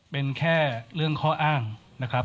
เป็นแค่เรื่องข้ออ้างนะครับ